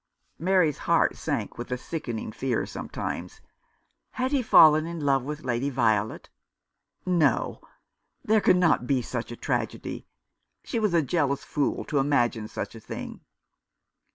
Mary's heart sank with a sickening fear some times. Had he fallen in love with Lady Violet ? No, there could not be such a tragedy. She was a jealous fool to imagine such a thing.